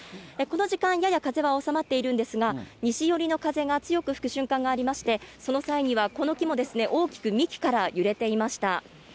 この時間、やや風は収まっているんですが、西寄りの風が強く吹く瞬間がありまして、その際にはこの木も大きく幹から揺れていました。